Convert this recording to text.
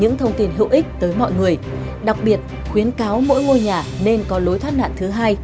những thông tin hữu ích tới mọi người đặc biệt khuyến cáo mỗi ngôi nhà nên có lối thoát nạn thứ hai